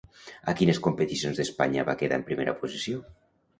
A quines competicions d'Espanya va quedar en primera posició?